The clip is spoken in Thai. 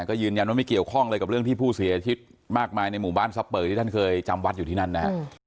ก็ยืนยันว่าไม่เกี่ยวข้องอะไรกับเรื่องที่ผู้เสียชีวิตมากมายในหมู่บ้านซับเปอร์ที่ท่านเคยจำวัดอยู่ที่นั่นนะฮะ